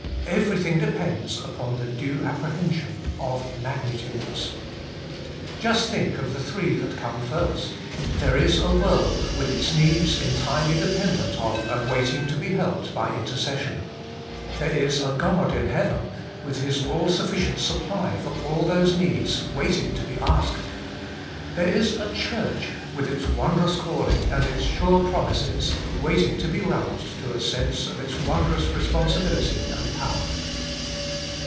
Everything depends upon the due apprehension of magnitudes. Just think of the three that come first: There is a world, with its needs entirely dependent on and waiting to be helped by intercession; there is a God in heaven, with His all sufficient supply for all those needs, waiting to be asked ; there is a Church, with its wondrous calling and its sure promises, waiting to be roused to a sense of its wondrous responsibility and power.